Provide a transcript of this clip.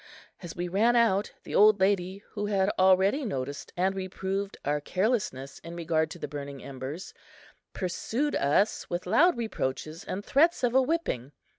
As we ran out the old lady, who had already noticed and reproved our carelessness in regard to the burning embers, pursued us with loud reproaches and threats of a whipping.